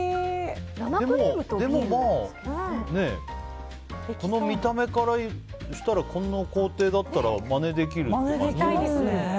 でも、この見た目からしたらこんな工程だったらまねできるってなりますね。